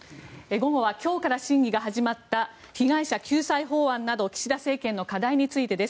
午後は今日から審議が始まった被害者救済法案など岸田政権の課題についてです。